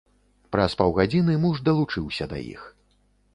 Праз паўгадзіны муж далучыўся да іх.